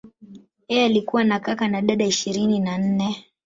Yeye alikuwa na kaka na dada ishirini na nne.